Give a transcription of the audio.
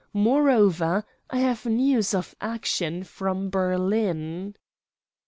Moreover, I have news of action from Berlin."